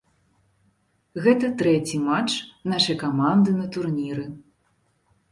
Гэта трэці матч нашай каманды на турніры.